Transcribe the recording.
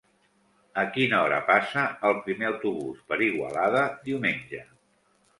A quina hora passa el primer autobús per Igualada diumenge?